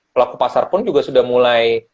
pelaku pasar pun juga sudah mulai